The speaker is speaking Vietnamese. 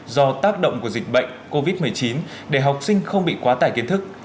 do tác động của dịch bệnh covid một mươi chín để học sinh không bị quá tải kiến thức